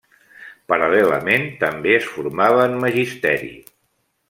Paral·lelament també es formava en magisteri.